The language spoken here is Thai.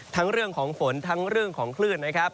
เรื่องของฝนทั้งเรื่องของคลื่นนะครับ